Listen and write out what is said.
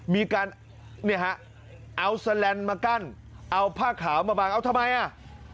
มีการเอาสแลนด์มากั้นเอาผ้าขาวมาบังเอาทำไม